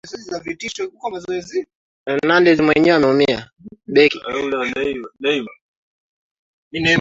wataalamu wa historia walifanya utafiti wa zama hizo